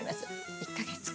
１か月か。